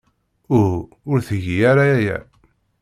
Uhu. Ur tgi ara aya.